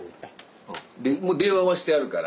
電話はしてあるから。